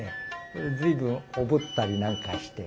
随分おぶったりなんかして。